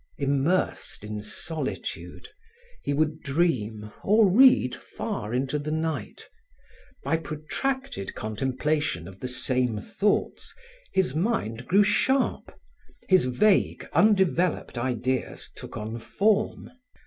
Immersed in solitude, he would dream or read far into the night. By protracted contemplation of the same thoughts, his mind grew sharp, his vague, undeveloped ideas took on form.